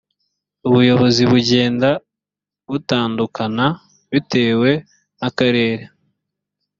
ubuyobozi bugenda butandukana bitewe n ‘akarere .